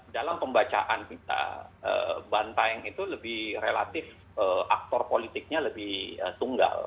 dalam pembacaan kita bantaeng itu lebih relatif aktor politiknya lebih tunggal